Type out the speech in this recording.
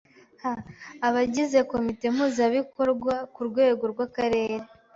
h. Abagize Komite Mpuzabikorwa ku rwego rw’Akarere